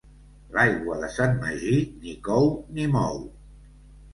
L'aigua de Sant Magí ni cou ni mou.